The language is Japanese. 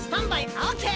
オーケー！」